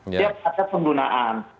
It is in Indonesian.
setiap ada penggunaan